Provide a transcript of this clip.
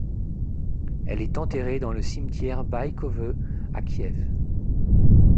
Elle est enterrée dans le cimetière Baïkove, à Kiev.